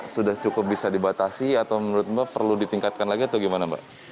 sudah cukup bisa dibatasi atau menurut mbak perlu ditingkatkan lagi atau gimana mbak